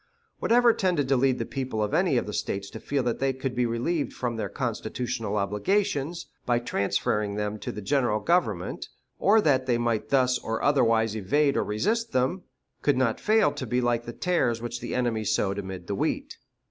Whatever tended to lead the people of any of the States to feel that they could be relieved from their constitutional obligations by transferring them to the General Government, or that they might thus or otherwise evade or resist them, could not fail to be like the tares which the enemy sowed amid the wheat.